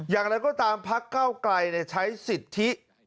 อย่างไรก็ตามภาคเก้าไกรเนี่ยใช้สิทธิ